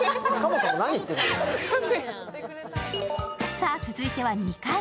さあ、続いては２階。